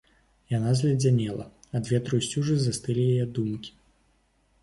Яна зледзянела, ад ветру і сцюжы застылі яе думкі.